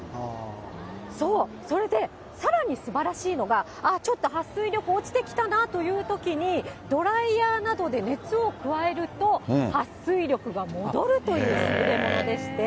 そう、それでさらにすばらしいのが、ああ、ちょっとはっ水力、落ちてきたなというときに、ドライヤーなどで熱を加えると、はっ水力が戻るという優れものでして。